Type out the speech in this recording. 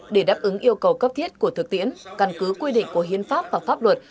để đáp ứng yêu cầu cấp thiết của thực tiễn căn cứ quy định của hiến pháp và pháp luật